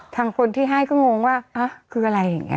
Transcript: ทางคนที่ให้ก็งงว่าคืออะไรอย่างนี้